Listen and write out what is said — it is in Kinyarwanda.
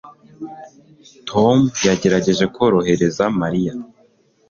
Tom yagerageje korohereza Mariya